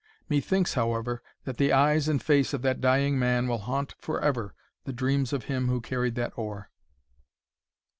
Methinks, however, that the eyes and face of that dying man will haunt for ever the dreams of him who carried that oar!